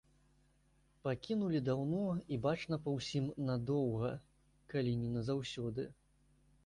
Пакінулі даўно, і бачна па ўсім, надоўга, калі не назаўсёды.